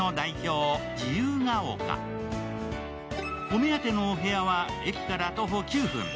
お目当てのお部屋は駅から徒歩９分。